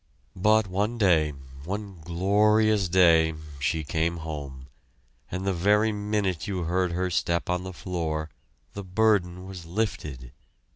But one day, one glorious day she came home, and the very minute you heard her step on the floor, the burden was lifted.